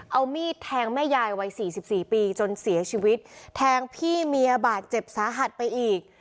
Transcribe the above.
เอามีดแทงแม่ยายวัยสี่สิบสี่ปีจนเสียชีวิตแทงพี่เมียบาดเจ็บสาหัสไปอีก